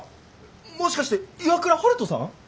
もしかして岩倉悠人さん？